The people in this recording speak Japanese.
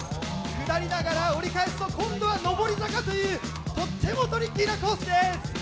下りながら折り返すと今度は上り坂という、とってもトリッキーなコースです。